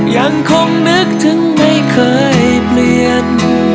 ยังคงนึกถึงไม่เคยเปลี่ยน